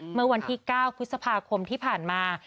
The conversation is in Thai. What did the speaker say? เมื่อวันที่๙พฤษภาคมที่ผ่านมา